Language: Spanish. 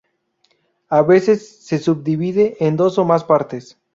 A veces se subdivide en dos o más partes.